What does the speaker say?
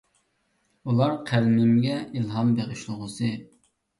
ئۇلار قەلىمىمگە ئىلھام بېغىشلىغۇسى.